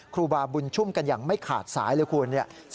ครูบาบุญชุ่มกันอย่างไม่ขาดสายเลยคุณ